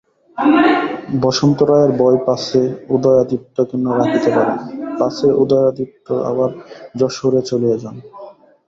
বসন্ত রায়ের ভয় পাছে উদয়াদিত্যকে না রাখিতে পারেন, পাছে উদয়াদিত্য আবার যশােহরে চলিয়া যান।